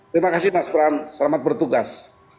terima kasih mas pram selamat bertugas